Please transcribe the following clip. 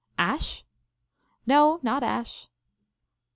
"Ash?" " No, not ash."